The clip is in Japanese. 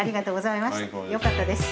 よかったです。